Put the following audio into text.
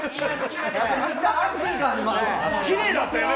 めっちゃ安心感ありますよ。